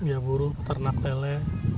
ya buruk peternak lele